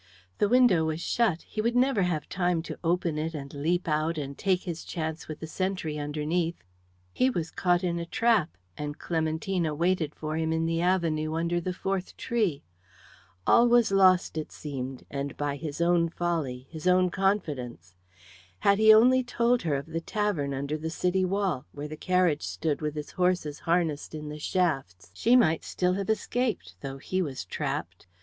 The window was shut; he would never have time to open it and leap out and take his chance with the sentry underneath. He was caught in a trap, and Clementina waited for him in the avenue, under the fourth tree. All was lost, it seemed, and by his own folly, his own confidence. Had he only told her of the tavern under the city wall, where the carriage stood with its horses harnessed in the shafts, she might still have escaped, though he was trapped.